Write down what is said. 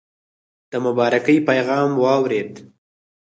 د مبارکی پیغام واورېد.